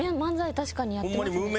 確かにやってますね。